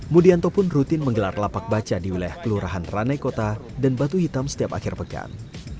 mudianto pun rutin menggelar lapak baca di wilayah kelurahan ranai kota dan batu hitam setiap akhir pekan